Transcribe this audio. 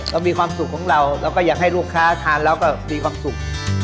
มีความสุขของเราเราก็อยากให้ลูกค้าทานแล้วก็มีความสุข